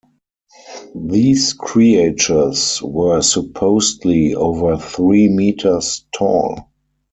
These creatures were supposedly over three meters tall.